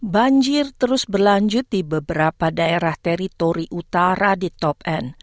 banjir terus berlanjut di beberapa daerah teritori utara di top en